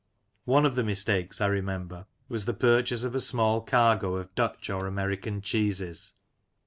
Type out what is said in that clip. One of the mistakes, I remember, was the purchase of a small cargo of Dutch or American cheeses.